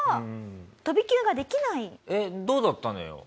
えっどうだったのよ？